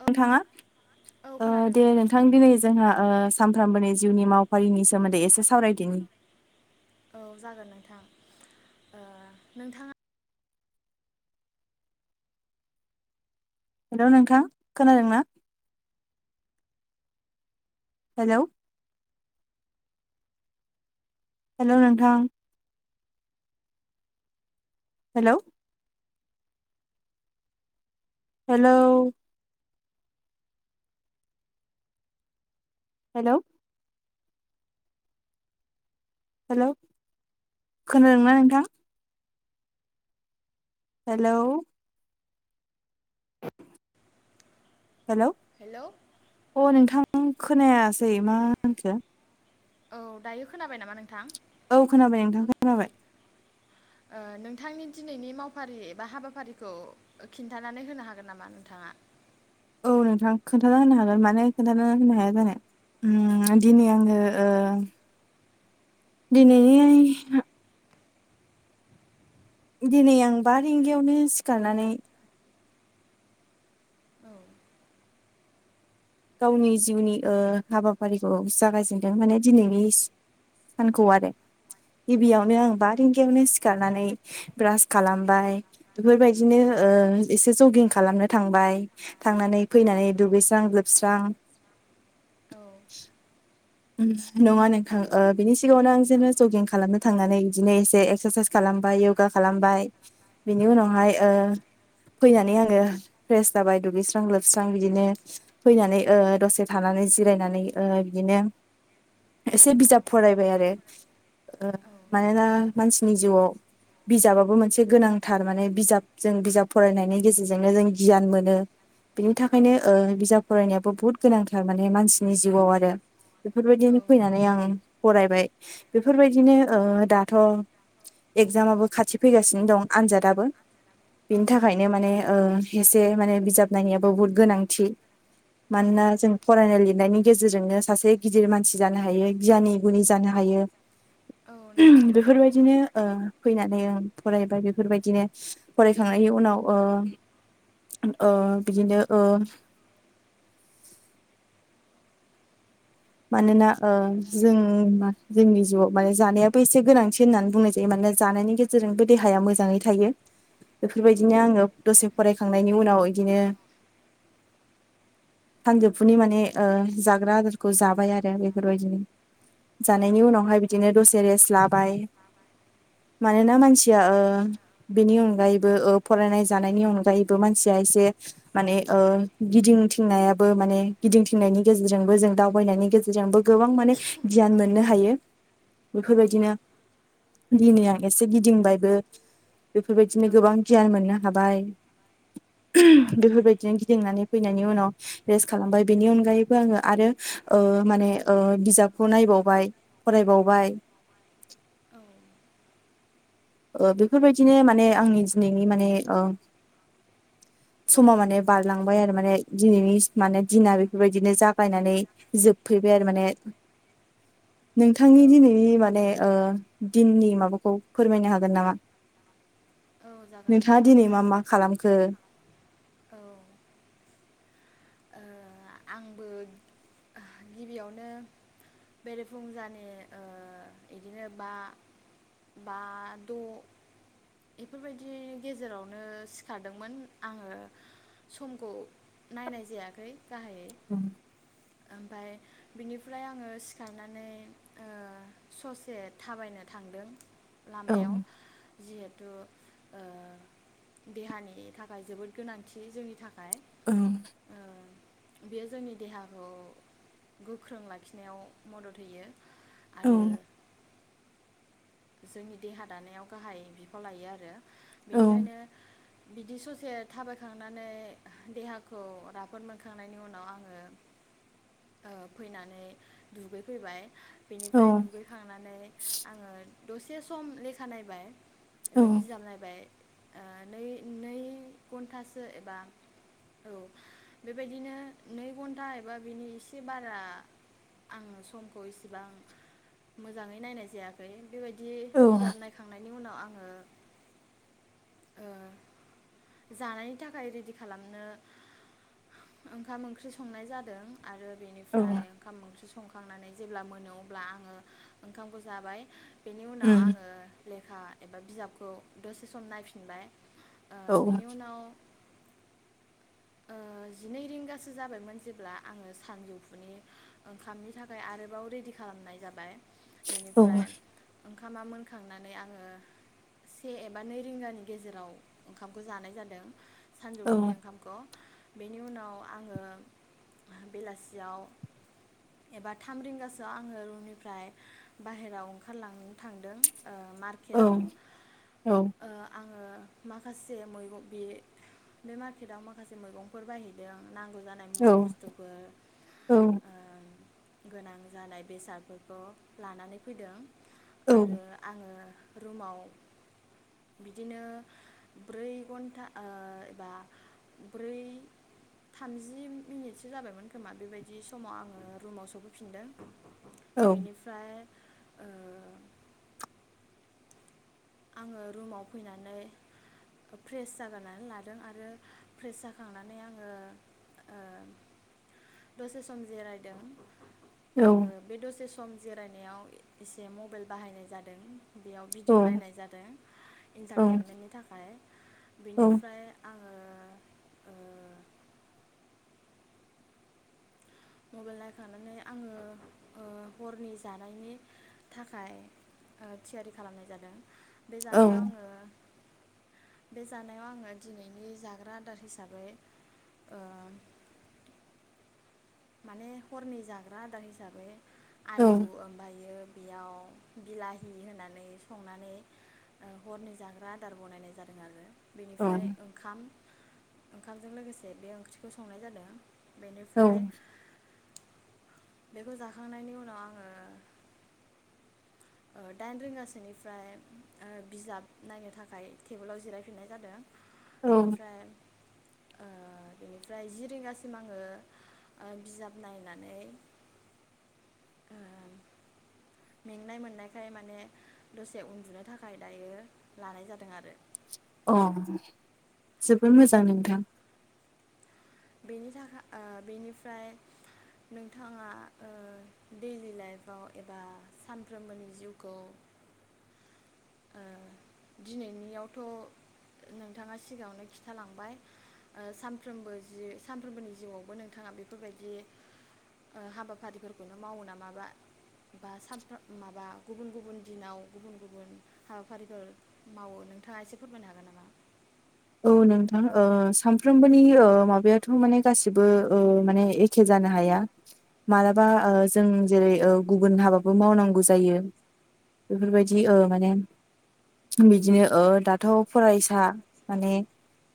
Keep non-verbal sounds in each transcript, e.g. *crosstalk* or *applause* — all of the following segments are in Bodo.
औ नोंथाङा औ खोनादों दे नोंथां दिनै जोंहा सानफ्रामबोनि जिउनि मावफारिनि सोमोन्दै एसे सावरायदि। औ जागोन नोंथां ओ नोंथाङा हेल' नोंथां खोनादों ना? हेलौ हेल' नोंथां हेलौ हेलौ हेल' हेल' खोनादोंना नोंथां? हेलौ हेल' हेलौ औ नोंथां खोनायासै मा होनखो? औ दायो खोनाबाय नामा नोंथां? औ खोनाबाय नोंथांखौ खोनाबाय। नोंथांनि दिनैनि मावफारि एबा हाबाफारिखौ खिन्थानानै होनो हागोन नामा नोंथाङा? औ नोंथां खोन्थाना होनो हागोन माने खोन्थाना होनो हाया जानो ओ दिनै आङो ओ दिनैनि दिनै आं बा रिंगायावनो सिखारनानै औ गावनि जिउनि ओ हाबाफारिखौ जागायजेनदों माने दिनैनि सानखौ आरो औ गिबियावनो आं बा रिंगायावनो सि खारनानै ब्रास खालामबाय बेफोरबायदिनो ओ एसे जगिं खालामनो थांबाय। थांनानै फैनानै औ दुगैस्रां लोब स्रां। *inaudible* नङा नोंथां ओ बिनि सिगाङावनो आं जेनो जगिं खालामनो थांनानै बिदिनो एसे एक्सारसाइस खालामबाय यगा खालामबाय। बेनि औ उनावहाय ओ फैनानै आङो फ्रेस जाबाय दुगैस्रां लोबस्रां बिदिनो फैनानै ओ दसे थानानै जिरायनानै ओ बिदिनो एसे औ बिजाब फरायबाय आरो मानोना मानसिनि जिउआव बिजाबाबो मोनसे गोनांथार माने बिजाब जों बिजाब फरायनायनि गेजेरजोंनो जों गियान मोनो। बिनि थाखायनो ओ बिजाब फरायनायाबो बुहुत गोनांथार माने मानसिनि जिउआव आरो बेफोरबायदिनो फैनानै आं फरायबाय बेफोरबायदिनो ओ दाथ' एगजामाबो खाथि फैगासिनो दं आनजादाबो। औ बिनि थाखायनो माने ओ एसे माने बिजाब नायनायाबो बुहुत गोनांथि। औ मानोना जों फरायनाय लिर नायनि गेजेरजोंनो सासे गिदिर मानसि जानो हायो गियानि गुनि जानो हायो। औ नंगौ नोंथां बेफोरबायदिनो फैनानै फरायबाय बेफोरबायदिनो फरायखांनायनि उनाव ओ बिदिनो ओ मानोना ओ जों जोंनि जिउआव माने जानायाबो एसे गोनांथि होननानै बुंनाय जायो मानोना जानायनि गेजेरजोंबो देहाया मोजाङै थायो औ बेफोरबायदिनो औ आङो दसे फरायखांनायनि उनाव बिदिनो सानजौफुनि माने ओ जाग्रा आदार खौ जाबाय आरो बेफोरबायदिनो जानायनि उनावहाय बिदिनो दसे रेस्ट लाबाय मानोना मानसिया बेनि अनगायैबो ओ फरायनाय जानायनि अनगायैबो मानसिया एसे माने ओ गिदिंथिंनायाबो माने गिदिंथिंनायनि गेजेरजोंबो जों दावबायनायनि गेजेरजोंबो गोबां माने गियान मोननो हायो। औ बेफोरबायदिनो दिनै आ एसे गिदिंबायबो बेफोरबायदिनो औ गोबां गियान मोननो हाबाय औ बेफोरबायदिनो गिदिंनानै फैनायनि उनाव रेस्ट खालामबाय बेनि अनगायैबो आङो आरो ओ माने ओ बिजाबखौ नायबावबाय फरायबावबाय औ ओ बेफोरबायदिनो माने आंनि दिनैनि माने ओ समा माने बारलांबाय आरो माने दिनैनि माने दिना बेफोरबायदिनो जागायनानै जोबफैबाय आरो माने नोंथांनि औ दिनैनि माने ओ दिननि माबाखौ फोरमायनो हागोन नामा? औ जागोन नोंथाङा नोंथां दिनै मा मा खालामखो औ आंबो गिबियावनो बेरे फुंजानि बिदिनो बा बा द' बेफोरबायदिनि गेजेरावनो सिखारदोंमोन आङो समखौ नायनाय जायाखै गाहाया औ ओमफाय बिनिफ्राय आङो सिखारनानै ससे थाबायनो थांदों। औ लामायाव जिहेथु देहानि थाखाय जोबोद गोनांथि जोंनि थाखाय औ बेयो जोंनि देहाखौ गोख्रों लाखिनायाव मदद होयो औ आरो जोंनि देहा दानायाव गाहाय बिफाव लायो आरो। औ बेनिखायनो बिदि ससे थाबायखांनानै देहाखौ राफोद मोनखांनायनि उनाव आङो फैनानै दुगैफैबाय। बेनिफ्राय दुगैखांनानै आङो दसे सम लेखा नायबाय। एबा बिजाब नायबाय नै नै घन्टासो एबा औ बेबायदिनो नै घन्टा एबा बिनि एसे बारा आङो समखौ इसेबां मोजाङै नायनाय जायाखै। बेबायदि औ बिजाब नायखांनायनि उनाव आं आङो जानायनि थाखाय रेडि खालामनो ओंखाम ओंख्रि संनाय जादों। आरो बेनिफ्राय ओंखाम ओंख्रि संखांनानै जेब्ला मोनो अब्ला आङो ओंखामखौ जाबाय। बेनि उनाव उम आङो लेफ लेखा एबा बिजाबखौ दसे सम नायफिनबाय। औ बेनि उनाव जिनै रिंगासो जाबायमोन जेब्ला आङो सानजौफुनि ओंखामनि थाखाय आरोबाव रेडि खालामनाय जाबाय बेनिफ्राय औ ओंखामा मोनखांनानै आङो से एबा नै रिंगानि गेजेराव ओंखामखौ जानाय जादों औ सानजौफिनि ओंखामखौ बिनि उनाव आङो बेलासियाव एबा थाम रिंगासोआव आङो रुमनिफ्राय बाहेरायाव ओंखार ओंखारलांनो थांदों औ मार्केटाव औ आङो माखासे मैगं बे बे मार्केटाव माखासे मैगंफोर बायैदों आं नांगौ जानाय मुवा बुस्थुफोर गोनां जानाय बेसादफोरखौ लानानै फैदों आरो औ आङो रुमाव बिदिनो ब्रै घन्टा एबा ब्रै थामजि मिनिटसो जाबायमोन खोमा बेबायदि समाव आङो रुमाव औ *unintelligible* *unintelligible* आङो रुमाव फैनानै फ्रेस जाग्रोनानै लादों आरो फ्रेस जाखांनानै आङो दसे सम जिरायदों। आङो बे दसे सम जिरायनायाव एसे मबाइल बाहायनाय जादों। बेयाव भिडिअ नायनाय इन्टारटेनमेन्टनि थाखाय बेनिफ्राय आङो मबाइल नायखांनानै आङो हरनि जानायनि थाखाय थियारि खालामनाय जादों। बे जानायाव आङो बे जानायाव आङो दिनैनि जाग्रा आदार हिसाबै माने हरनि जाग्रा आदार हिसाबै आलु ओमफ्रायो बेयाव बिलाहि होनानै संनानै हरनि जाग्रा आदार बनायनाय जादों आरो बेनिफ्राय ओंखाम ओंखामजों लोगोसे बे ओंख्रिखौ संनाय जादों। औ बेनिफ्राय बेखौ जाखांनायनि उनाव आङो दाइन रिंगासोनिफ्राय बिजाब नायनो थाखाय टेबोलाव जिरायफिननाय जादों औ बेनिफ्राय बेनिफ्राय जि रिंगासिम आङो बिजाब नायनानै ओ मेंनाय मोन नायखाय माने दसे उन्दुनो थाखाय दायो लानाय जादों आरो अ जबोद मोजां नोंथां बेनि थाखाय बेनिफ्राय नोंथाङा दैलि लाइफआव एबा सानफ्रोमबोनि जिउखौ दिनैनियावथ' नोंथाङा सिगाङावनो खिन्थालांबाय सानफ्रोमबो जि सानफ्रोमबोनि जिउआवबो नोंथाङा बेफोरबायदि हाबाफारिफोरखौनो मावो ना माबा बा माबा गुबुन गुबुन दिनाव गुबुन गुबुन हाबाफारिफोर मावो नोंथाङा एसे फोरमायनो हागोन नामा? औ नोंथां सानफ्रोमबोनि माबायाथ' माने गासिबो माने एखे जानो हाया मालाबा जों जेरै गुबुन हाबाबो मावनांगौ जायो बेफोरबायदि माने बिदिनो दाथ' फरायसा माने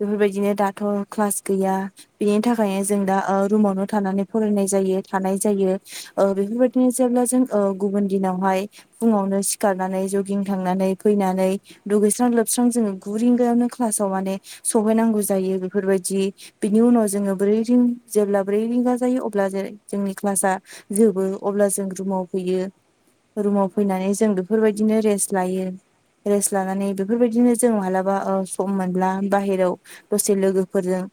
बेफोरबायदिनो औ दाथ' क्लास गैया बेनि थाखायनो जों दा रुमावनो थानानै फरायनाय जायो थानाय जायो बेफोरबायदिनो जेब्ला जों गुबुन दिनावहाय फुङावनो सिखारनानै जगिं थांनानै फैनानै दुगैस्रां लोबस्रां जोङो गु रिंगायावनो फासाव माने सौहैनांगौ जायो बेफोरबायदि बिनि उनाव औ जोङो ब्रै रिं जेब्ला ब्रै रिंगा जायो अब्ला जोंनि क्लास जोबो अब्ला जों रुमाव फैयो रुमाव औ फैनानै जों बेफोरबायदिनो रेस्ट लायो रेस्ट लानानै बेफोरबायदिनो जों मालाबा सम मोनब्ला बाहेराव दसे लोगोफोरजों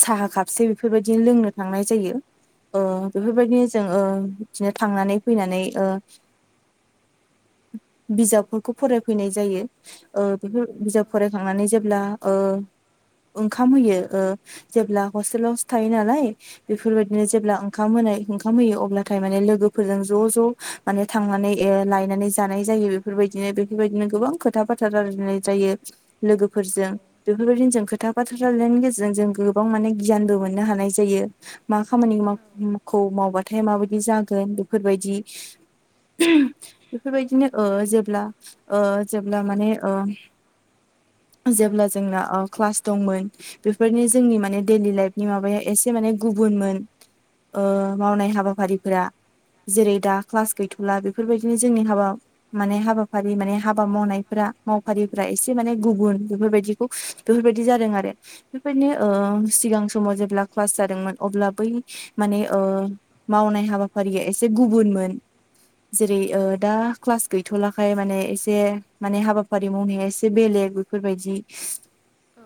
साहा खापसे बिदिनो लोंनो थांनाय जायो औ बेफोरबायदि जों बिदिनो थांनानै फैनानै बिजाबफोरखौ फराय फैनाय जायो। बेफोर औ बिजाब औ फरायखांनानै जेब्ला ओंखाम होयो जेब्ला हस्टेलावसो थायो नालाय बेफोरबायदिनो जेब्ला ओंखाम होनाय ओंखाम होयो अब्लाथाय माने लोगोफोरजों ज' ज' माने थांनानै लायनानै जानाय जायो बेफोरबायदिनो बेफोरबायदिनो गोबां खोथा फोथार आरो मोननाय जायो। औ लोगोफोरजों बेफोरबायदिनो जोंखो। खोथा बोाथ्रा लनायनि गेजेरजों जों गोबां माने गियानबो मोननो हानाय जायो मा खामानिखौ मावबाथाय माबायदि जागोन बेफोरबायदि बेफोरबायदिनो जेब्ला जेब्ला माने जेब्ला जोंना क्लास दंमोन बेफोरनो जोंनि माने दैयैलि लाइफनि माबाया एसे माने गुबुनमोन मावनाय हाबाफारिफोरा जेरै दा क्लास गैथ'ला बेफोरबायदिनो जोंनि हाबा माने हाबाफारि माने हाबा मावनायफोरा मावफारिफ्रा एसे माने गुबुन बेफोरबायदिखौ बेफोरबायदि जादों आरो औ बेबायदिनो सिगां समाव जेब्ला क्लास जादोंमोन अब्ला बै माने मावनाय हाबाफारिया एसे गुबुनमोन जेरै दा क्लास गैथ'लाखाय माने एसे माने हाबा फारि मावनाया एसे बेलेग बेफोरबायदि औ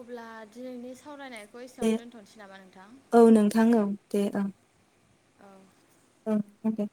अब्ला दिनैनि सावरायनाय खो एसेआवनो दोनथ'नोसै नामा नोंथां? औ नोंथां औ दे ओं औ ओं *unintelligible*